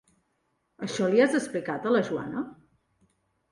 Això li ho has explicat a la Joana?